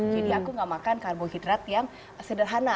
jadi aku gak makan karbohidrat yang sederhana